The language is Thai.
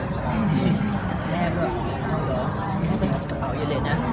แม่บอกเอาเหรอไม่ไปจัดกระเป๋าอยู่เลยนะ